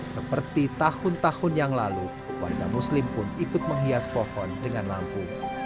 seperti tahun tahun yang lalu warga muslim pun ikut menghias pohon dengan lampu